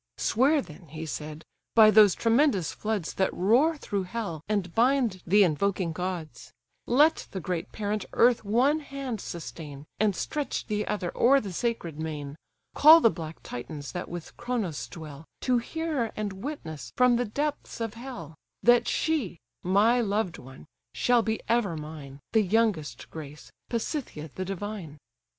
"Swear then (he said) by those tremendous floods That roar through hell, and bind the invoking gods: Let the great parent earth one hand sustain, And stretch the other o'er the sacred main: Call the black Titans, that with Chronos dwell, To hear and witness from the depths of hell; That she, my loved one, shall be ever mine, The youngest Grace, Pasithaë the divine."